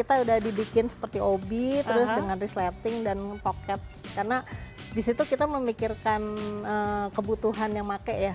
kita udah dibikin seperti obi terus dengan resleting dan pocket karena disitu kita memikirkan kebutuhan yang pakai ya